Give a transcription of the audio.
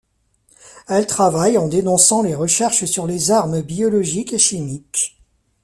Elle travaille en dénonçant les recherches sur les armes biologiques et chimiques.